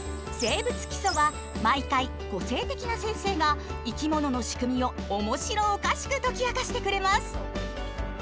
「生物基礎」は毎回個性的な先生が生き物の仕組みを面白おかしく解き明かしてくれます。